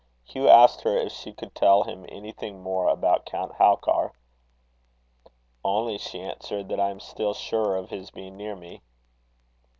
Hugh asked her if she could tell him anything more about Count Halkar. "Only," she answered, "that I am still surer of his being near me."